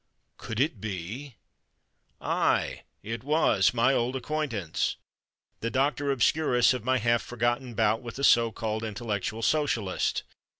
Could it be—? Aye, it was! My old acquaintance! The Doctor obscurus of my half forgotten bout with the so called intellectual Socialist!